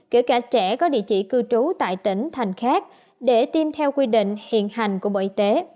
kể cả trẻ có địa chỉ cư trú tại tỉnh thành khác để tiêm theo quy định hiện hành của bộ y tế